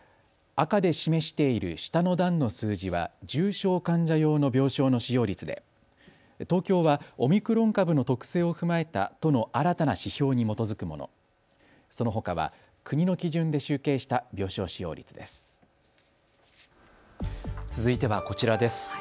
赤で示している下の段の数字は重症患者用の病床の使用率で東京はオミクロン株の特性を踏まえた都の新たな指標に基づくもの、そのほかは国の基準で集計した病床使用率です。